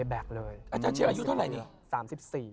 อาจารย์เชียงอายุเท่าไหร่เนี่ย